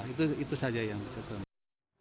itu saja yang saya selamatkan